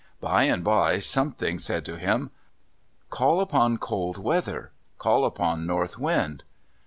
By and by Something said to him, "Call upon Cold weather, call upon North wind."